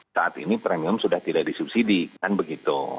saat ini premium sudah tidak disubsidi kan begitu